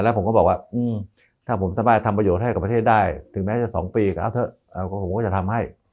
แล้วผมก็บอกว่าถ้าผมสบายทำประโยชน์ให้กับประเทศได้ถึงแม้จะ๒ปีก็เอาเถอะผมก็จะทำให้